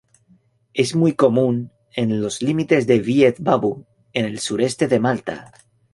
Es muy común en los límites de Wied Babu en el sureste de Malta.